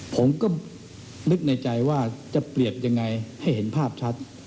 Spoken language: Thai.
ผมก็นึกในใจว่าจะเปรียบยังไงให้เห็นภาพชัด